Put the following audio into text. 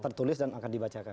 tertulis dan akan dibacakan